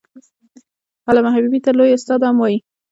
علامه حبيبي ته لوى استاد هم وايي.